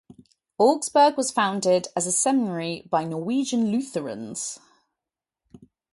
Augsburg was founded as a seminary by Norwegian Lutherans.